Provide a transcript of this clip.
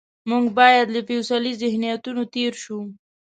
موږ باید له فوسیلي ذهنیتونو تېر شو.